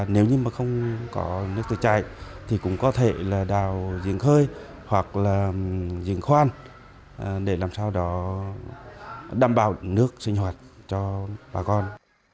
nếu không có nước tự chảy thì cũng có thể là đào diễn khơi hoặc là diễn khoan để làm sao đó đảm bảo nước sinh hoạt cho bà con